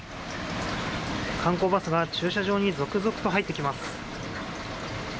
観光バスが駐車場に続々と入ってきます。